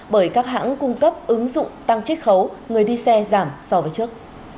bởi các hãng cung cấp ứng dụng tăng chích khấu người đi xe giảm so với trước